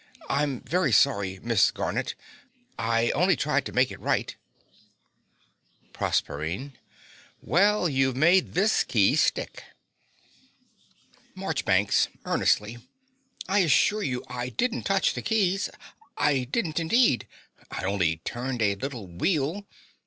I'm very sorry, Miss Garnett. I only tried to make it write. PROSERPINE. Well, you've made this key stick. MARCHBANKS (earnestly). I assure you I didn't touch the keys. I didn't, indeed. I only turned a little wheel.